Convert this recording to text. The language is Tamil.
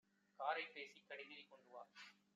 காரைப் பேசிக் கடிதில் கொண்டுவா.